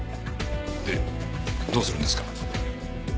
でどうするんですか？